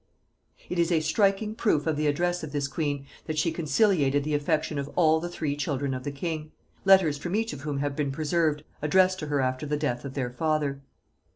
It is a striking proof of the address of this queen, that she conciliated the affection of all the three children of the king, letters from each of whom have been preserved addressed to her after the death of their father.